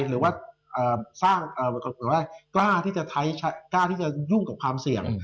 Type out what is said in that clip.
หรือว่ากล้าที่จะยุ่งกับความเสี่ยง